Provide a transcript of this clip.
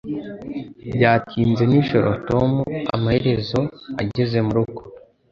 Byatinze nijoro Tom amaherezo ageze murugo